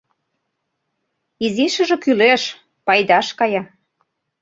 Изишыже кӱлеш, пайдаш кая.